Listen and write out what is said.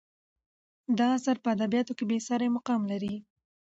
دا اثر په ادبیاتو کې بې سارې مقام لري.